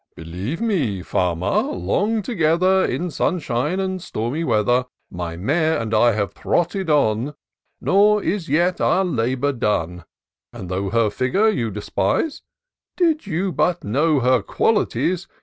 " Believe me. Farmer, long together. In sunshine, and in stormy weather, My mare and I have trotted on. Nor is as yet our labour done ; And, though her figure you despise, Did you but know her qualities.